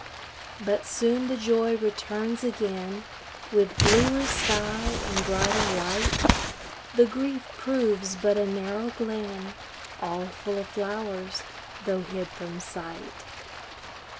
But soon the joy returns again With bluer sky and brighter light; The grief proves but a narrow glen All full of flowers, though hid from sight.